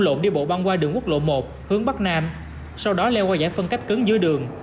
lộn đi bộ băng qua đường quốc lộ một hướng bắc nam sau đó leo qua giải phân cách cứng dưới đường